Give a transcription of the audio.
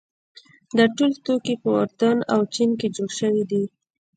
دا ټول توکي په اردن او چین کې جوړ شوي دي.